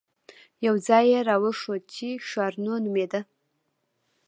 يو ځاى يې راوښود چې ښارنو نومېده.